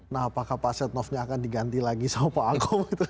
nah apakah pak asyadnoffnya akan diganti lagi sama pak angkom gitu